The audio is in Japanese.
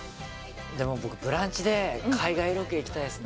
でも僕「ブランチ」で海外ロケ行きたいですね